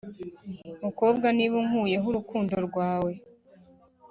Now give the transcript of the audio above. mukobwa, niba unkuyeho urukundo rwawe